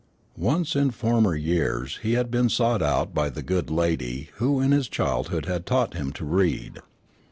Once in former years he had been sought out by the good lady who in his childhood had taught him to read.